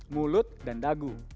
mulut dan dagu